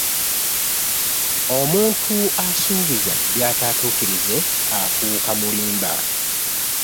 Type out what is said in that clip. Omuntu asubiza byatatukirize afuuka mulimba .